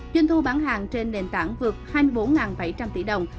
doanh thu bán hàng trên nền tảng vượt hai mươi bốn bảy trăm linh tỷ đồng